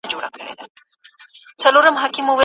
ښځې د ټولنې نيمايي برخه جوړوي.